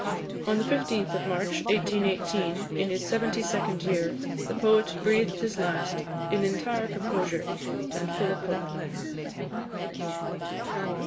On the 15th of March 1818, in his seventy second year, the poet breathed his last, in entire composure, and full of hope.